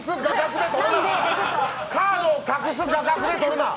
カードを隠す画角で撮るな！！